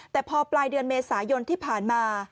แต่พอปลายเดือนเมษายนที่ผ่านมา